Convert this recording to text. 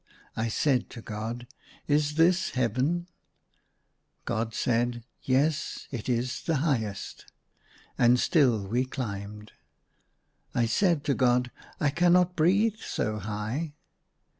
I said to God, " Is this Heaven ?" God said, " Yes ; it is the highest." And still we climbed. I said to God, " I cannot breathe so high."